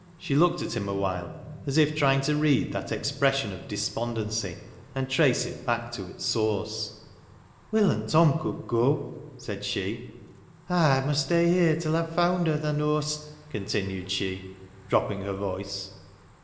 She looked at him awhile, as if trying to read that expression of despondency and trace it back to its source. ' Will and Tom could go,' said she ;' I must stay here till I've found her, thou know'st,' continued she, dropping her voice.